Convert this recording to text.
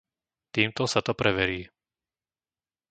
Týmto sa to preverí.